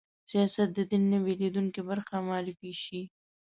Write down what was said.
سیاست د دین نه بېلېدونکې برخه معرفي شي